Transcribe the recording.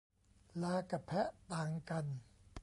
ลากับแพะต่างกัน